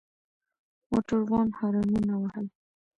موټروان هارنونه وهل.